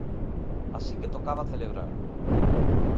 Así que tocaba celebrar.